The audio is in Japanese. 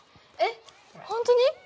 えっほんとに？